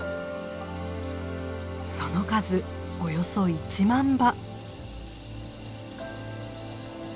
その数およそ１万羽。